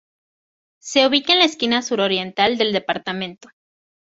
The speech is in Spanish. Se ubica en la esquina suroriental del departamento.